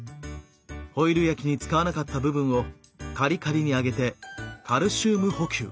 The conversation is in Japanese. ホイル焼きに使わなかった部分をカリカリに揚げてカルシウム補給。